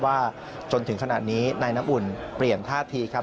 ว่าจนถึงขนาดนี้นายน้ำอุ่นเปลี่ยนท่าทีครับ